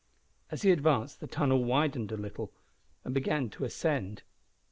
As he advanced the tunnel widened a little, and began to ascend.